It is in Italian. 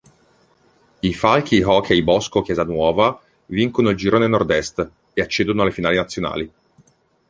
I Falchi Hockey Bosco Chiesanuova vincono il girone Nord-Est, e accedono alle finali nazionali.